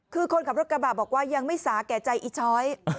คือคนขับรถกระบะบอกว่ายังไม่สาแก่ใจอีช้อย